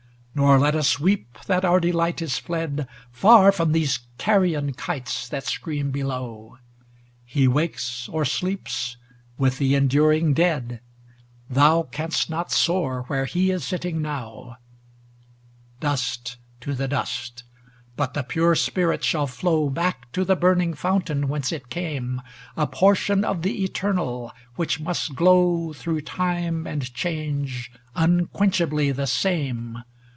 XXXVIII Nor let us weep that our delight is fled Far from these carrion kites that scream below; He wakes or sleeps with the enduring dead; Thou canst not soar where he is sitting now. Dust to the dust ! but the pure spirit shall flow Back to the burning fountain whence it came, A portion of the Eternal, which must glow Through time and change, unquenchably the same.